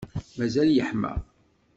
Mazal yeḥma.